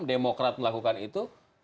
demokrat melakukan itu